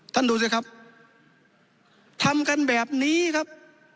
ท่านดูสิครับทำกันแบบนี้ครับ